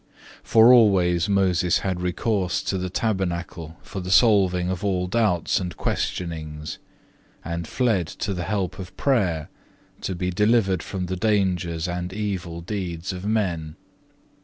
For always Moses had recourse to the tabernacle for the solving of all doubts and questionings; and fled to the help of prayer to be delivered from the dangers and evil deeds of men.